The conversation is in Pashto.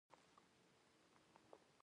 رومیان د خوړو روح دي